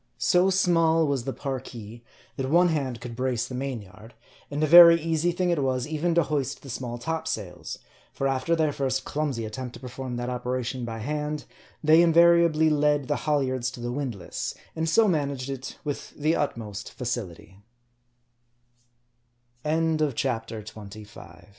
So small was the Parki, that one hand could brace the main yard ; and a very easy thing it was, even to hoist the small top sails ; for after their first clumsy attempt to perform that operation by hand, they invariably led the halyards to the windlass, and so managed it, with the utmo